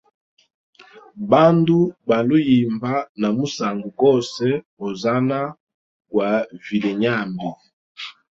Bandu baliuyimba na musangu gose hozana gwa vilyenyambi.